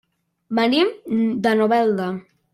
Venim de Novelda.